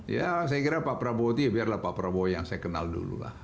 ya saya kira pak prabowo itu biarlah pak prabowo yang saya kenal dulu lah